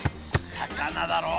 魚だろ？